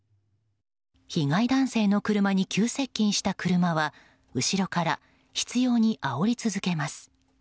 被害男性の車に急接近した車は後ろから執拗にあおり続けます。